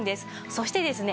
そしてですね